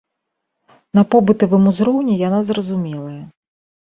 На побытавым узроўні яна зразумелая.